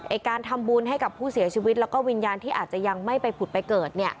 การทำบุญให้กับผู้เสียชีวิตแล้วก็วิญญาณที่อาจจะยังไม่ไปผุดไปเกิด